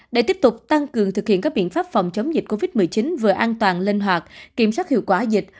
để tiếp tục tăng cường thực hiện các biện pháp phòng chống dịch covid một mươi chín vừa an toàn linh hoạt kiểm soát hiệu quả dịch